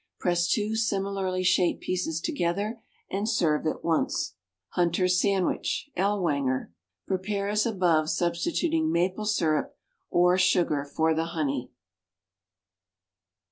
Press two similarly shaped pieces together and serve at once. =Hunter's Sandwich (Ellwanger).= Prepare as above, substituting maple syrup (or sugar) for the honey.